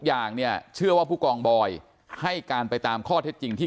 อย่างเนี่ยเชื่อว่าผู้กองบอยให้การไปตามข้อเท็จจริงที่